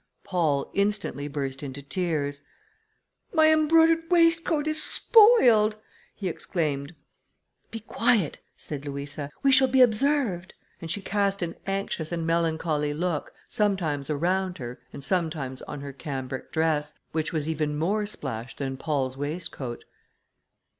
Paul instantly burst into tears: "My embroidered waistcoat is spoiled," he exclaimed. "Be quiet," said Louisa, "we shall be observed," and she cast an anxious and melancholy look, sometimes around her, and sometimes on her cambric dress, which was even more splashed than Paul's waistcoat.